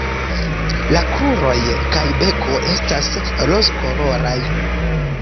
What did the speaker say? La kruroj kaj beko estas rozkoloraj.